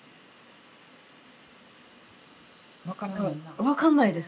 え分かんないです。